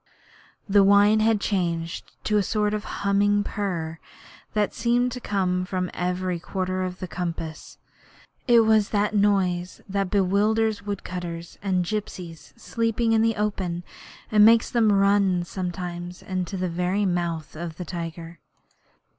The whine had changed to a sort of humming purr that seemed to come from every quarter of the compass. It was the noise that bewilders woodcutters and gipsies sleeping in the open, and makes them run sometimes into the very mouth of the tiger.